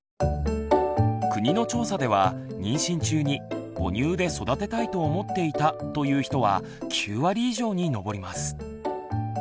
国の調査では妊娠中に「母乳で育てたいと思っていた」という人は９割以上にのぼります。